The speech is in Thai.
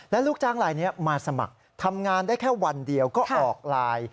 และลูกจ้างลายนี้มาสมัครทำงานได้แค่วันเดียวก็ออกไลน์